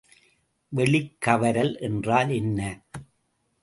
வெளிக்கவரல் என்றால் என்ன?